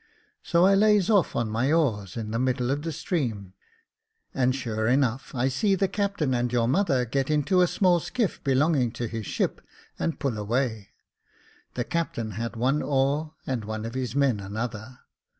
So, I lays off on my oars in the middle of the stream, and sure enough I see the captain and your mother get into a small skiff belonging to his ship, and pull away ; the captain had one oar and one of his men another.